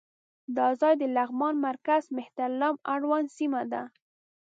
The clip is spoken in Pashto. دا ځای د لغمان مرکز مهترلام اړوند سیمه ده.